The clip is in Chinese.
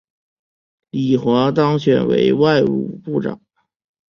李璜当选为外务部长。